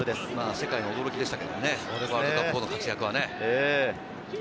世界が驚きでしたけどね、ワールドカップ後の活躍は。